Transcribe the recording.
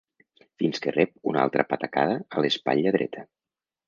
Fins que rep una altra patacada a l'espatlla dreta.